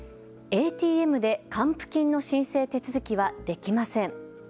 ＡＴＭで還付金の申請手続きはできません。